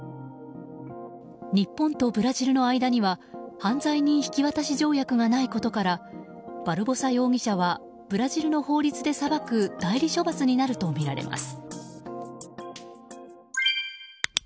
日本とブラジルの間には犯罪人引き渡し条約がないことからバルボサ容疑者はブラジルの法律で裁く代理処罰になるとみられます。